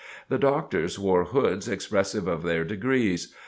The Doctors wore hoods expressive of their degrees.